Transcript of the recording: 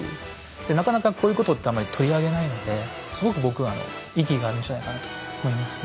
でなかなかこういうことってあんまり取り上げないのですごく僕は意義があるんじゃないかなと思いますね。